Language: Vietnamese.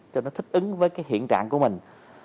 cho nó thích ứng với cái hiện trạng của mình